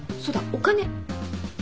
お金？